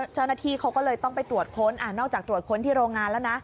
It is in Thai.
เจ้าหน้าที่เขาก็เลยต้องไปตรวจค้นนอกจากตรวจค้นที่โรงงานแล้วนะ